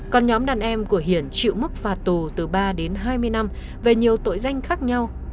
còn nhóm đàn em của hiển chịu mức phạt tù từ ba đến hai mươi năm về nhiều tội danh khác nhau